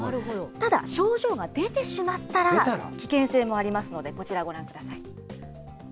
ただ、症状が出てしまったら危険性もありますので、こちらご覧ください。